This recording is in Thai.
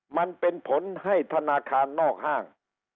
มันเป็นผลให้ธนาคารนอกห้าง